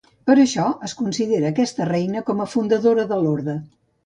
Per això, es considera aquesta reina com a fundadora de l'orde.